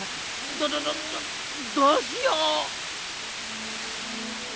どどどどうしよう！